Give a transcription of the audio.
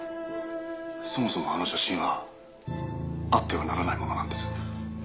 「そもそもあの写真はあってはならないものなんです」